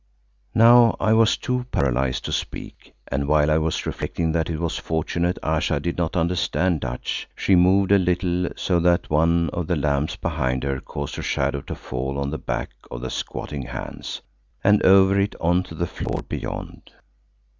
Now I was too paralysed to speak, and while I was reflecting that it was fortunate Ayesha did not understand Dutch, she moved a little so that one of the lamps behind her caused her shadow to fall on to the back of the squatting Hans and over it on to the floor beyond.